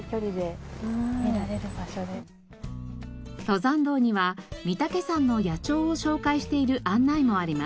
登山道には御岳山の野鳥を紹介している案内もあります。